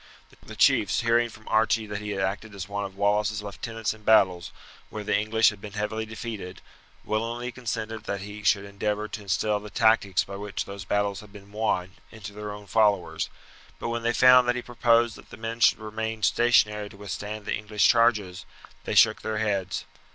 The chiefs, hearing from Archie that he had acted as one of Wallace's lieutenants in battles where the English had been heavily defeated, willingly consented that he should endeavour to instil the tactics by which those battles had been won into their own followers; but when they found that he proposed that the men should remain stationary to withstand the English charges, they shook their heads.